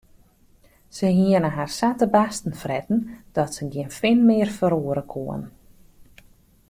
Se hiene har sa te barsten fretten dat se gjin fin mear ferroere koene.